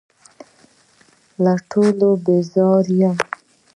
له ټولو بېزاره یم .